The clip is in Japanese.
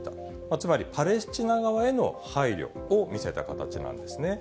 つまりパレスチナ側への配慮を見せた形なんですね。